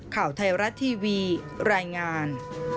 ข่าวไทยรัฐทีวีรายงาน